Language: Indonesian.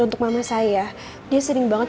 untuk mama saya dia sering banget